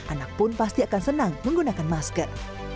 anak pun pasti akan senang menggunakan masker